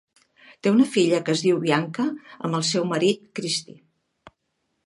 Té una filla que es diu Bianca amb el seu marit, Christie.